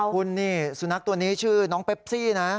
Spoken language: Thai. คุณนี่สุนัขตัวนี้ชื่อน้องเปปซี่นะ